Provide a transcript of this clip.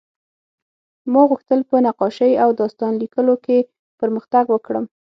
ما غوښتل په نقاشۍ او داستان لیکلو کې پرمختګ وکړم